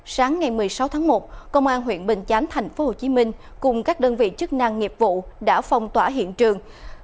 sáng ngày một mươi sáu tháng một công an huyện bình chánh tp hcm cùng các đơn vị chức năng nghiệp vụ đã phong tỏa hiện trường